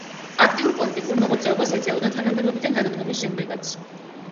აქტიურ პოლიტიკურ მოღვაწეობას ეწეოდა თანამდებობიდან გადადგომის შემდეგაც.